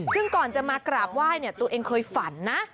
ซึ่งก่อนจะมากราบไหว้เนี่ยตัวเองเคยฝันนะ